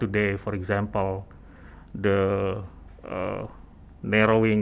apa yang kita lakukan hari ini